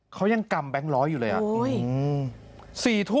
เขายังกำแบงค์ร้อยอยู่เลย